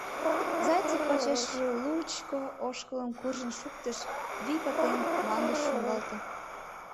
Зайцев почешыже лу-лучко ошкылым куржын шуктыш, вий пытен, мландыш шуҥгалте.